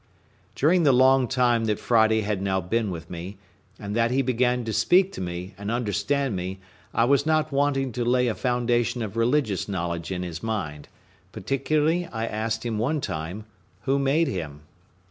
During the long time that Friday had now been with me, and that he began to speak to me, and understand me, I was not wanting to lay a foundation of religious knowledge in his mind; particularly I asked him one time, who made him.